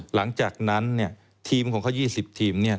หลังจากนั้นเนี่ยทีมของเขา๒๐ทีมเนี่ย